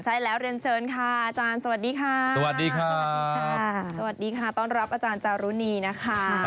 ใช่แล้วเรียนเชิญค่ะอาจารย์สวัสดีค่ะสวัสดีค่ะสวัสดีค่ะสวัสดีค่ะต้อนรับอาจารย์จารุณีนะคะ